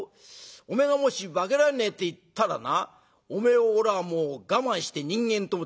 おめえがもし化けられねえって言ったらなおめえをおらもう我慢して人間と思って飲む！」。